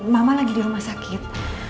mama lagi di rumah sakit